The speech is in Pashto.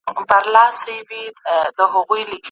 له دې مالته خدای خبر چي روغ څنګونه به وړې